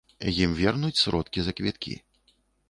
Ім вернуць сродкі за квіткі.